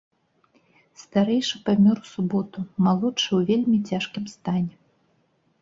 Старэйшы памёр у суботу, малодшы ў вельмі цяжкім стане.